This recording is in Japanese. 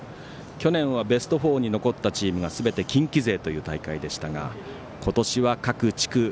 去年はベスト４に残ったチームが近畿勢という大会でしたが今年は各地区